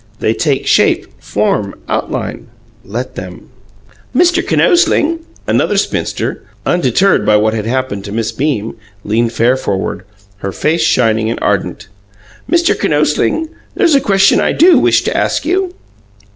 They take shape, form, outline. Let them." "Mr. Kinosling!" Another spinster undeterred by what had happened to Miss Beam leaned fair forward, her face shining and ardent. "Mr. Kinosling, there's a question I DO wish to ask you."